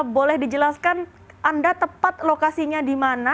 boleh dijelaskan anda tepat lokasinya di mana